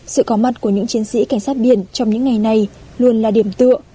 sự có mặt của những chiến sĩ cảnh sát biển trong những ngày này luôn là điểm tựa